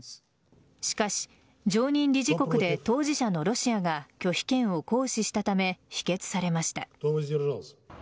しかし常任理事国で当事者のロシアが拒否権を行使したため否決されました。